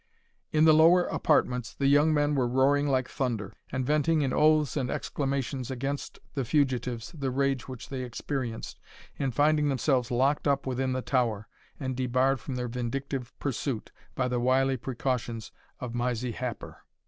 In the lower apartments, the young men were roaring like thunder, and venting in oaths and exclamations against the fugitives the rage which they experienced in finding themselves locked up within the tower, and debarred from their vindictive pursuit by the wily precautions of Mysie Happer.